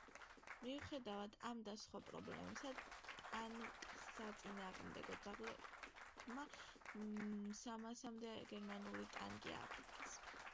მიუხედავად ამ და სხვა პრობლემებისა ტანკსაწინააღმდეგო ძაღლებმა სამასამდე გერმანული ტანკი ააფეთქეს.